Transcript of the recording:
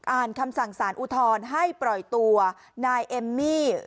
อ่านคำสั่งสารอุทธรณ์ให้ปล่อยตัวนายเอมมี่